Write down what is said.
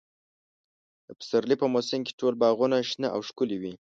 د پسرلي په موسم کې ټول باغونه شنه او ښکلي وي.